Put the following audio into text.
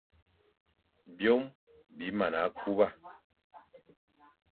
Byôm bi mana kuba.